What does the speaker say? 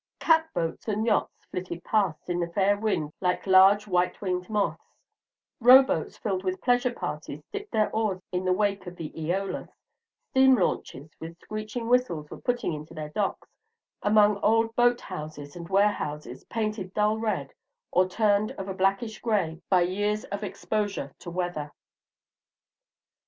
Cat boats and yachts flitted past in the fair wind like large white winged moths; row boats filled with pleasure parties dipped their oars in the wake of the "Eolus;" steam launches with screeching whistles were putting into their docks, among old boat houses and warehouses, painted dull red, or turned of a blackish gray by years of exposure to weather.